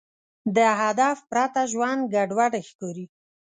د هدف پرته ژوند ګډوډ ښکاري.